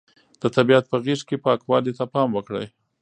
د طبیعت په غېږ کې پاکوالي ته پام وکړئ.